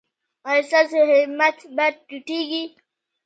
ایا ستاسو همت به ټیټیږي؟